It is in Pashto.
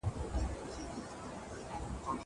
زه اجازه لرم چي درسونه اورم!